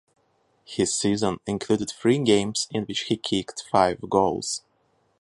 His season included three games in which he kicked five goals.